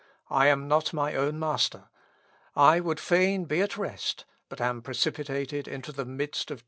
I am not my own master. I would fain be at rest, but am precipitated into the midst of tumult and revolution."